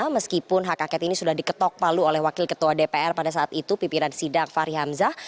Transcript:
meskipun hak angket ini sudah diketok palu oleh wakil ketua dpr pada saat itu pimpinan sidang fahri hamzah